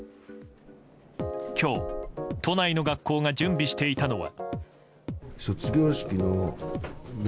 今日、都内の学校が準備していたのは。